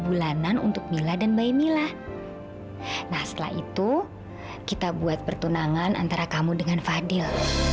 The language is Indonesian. bulanan untuk mila dan mbak mila nah setelah itu kita buat pertunangan antara kamu dengan fadil